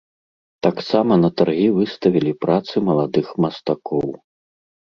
Таксама на таргі выставілі працы маладых мастакоў.